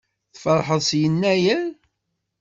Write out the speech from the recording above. Tfeṛḥeḍ s Yennayer?